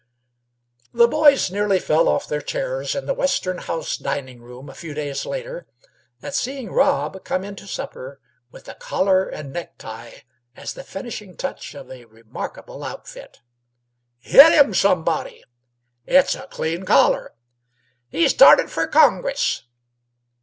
The boys nearly fell off their chairs in the Western House dining room, a few days later, when Rob came in to supper with a collar and necktie as the finishing touch of a remarkable outfit. "Hit him, somebody!" "It's a clean collar!" "He's started f'r Congress!"